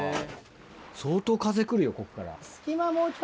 相当風来るよこっから。